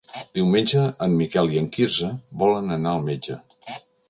Diumenge en Miquel i en Quirze volen anar al metge.